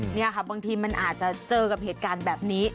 นี่ค่ะบางทีมันอาจจะเจอกับเหตุการณ์แบบนี้